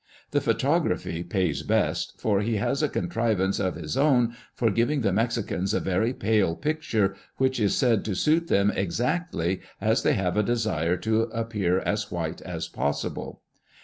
The photography pays best, for he has a contrivance of his own for giving the Mexicans a very pale picture, which is said to suit them exactly, as they have a desire to appear as white as pos sible.